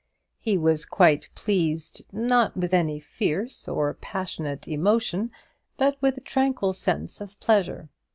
He was quite pleased, not with any fierce or passionate emotion, but with a tranquil sense of pleasure.